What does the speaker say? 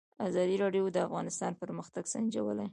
ازادي راډیو د اقتصاد پرمختګ سنجولی.